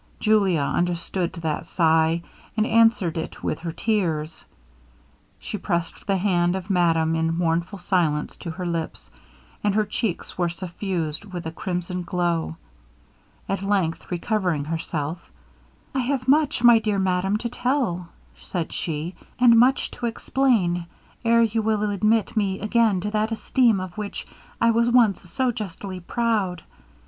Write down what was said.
Julia understood that sigh, and answered it with her tears. She pressed the hand of madame in mournful silence to her lips, and her cheeks were suffused with a crimson glow. At length, recovering herself, 'I have much, my dear madam, to tell,' said she, 'and much to explain, 'ere you will admit me again to that esteem of which I was once so justly proud.